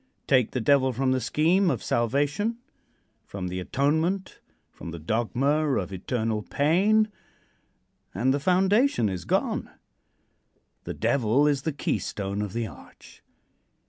Take the Devil from the scheme of salvation from the atonement from the dogma of eternal pain and the foundation is gone. The Devil is the keystone of the arch.